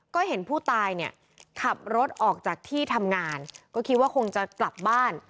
ก็เห็นผู้ตายเนี่ยขับรถออกจากที่ทำงานก็คิดว่าคงจะกลับบ้าน